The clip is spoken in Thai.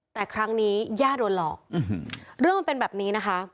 แต่ครั้งนี้ย่าโดนหลอกเรื่องมันเป็นแบบนี้นะคะ